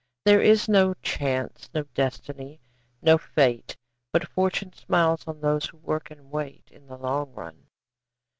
There is no Chance, no Destiny, no Fate, But Fortune smiles on those who work and wait, In the long run.